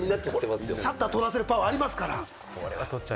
シャッター撮らせるパワーありますから。